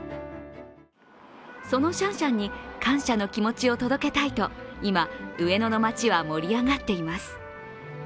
そのシャンシャンに感謝の気持ちを届けたいと今、上野の街は盛り上がっています